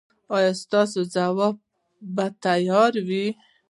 ایا ستاسو ځواب به تیار وي؟